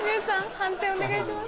判定お願いします。